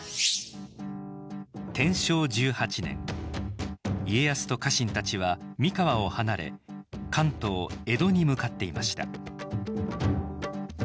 天正１８年家康と家臣たちは三河を離れ関東江戸に向かっていました